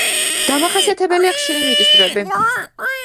დამახასიათებელია ხშირი მიწისძვრები.